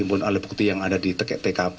pun alih bukti yang ada di tkp